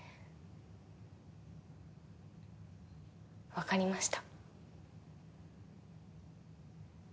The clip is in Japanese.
わかりました。